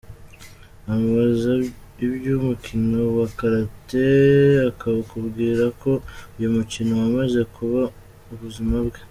Umubaza iby’umukino wa Karate, akakubwira ko uyu mukino wamaze kuba ubuzima bwe.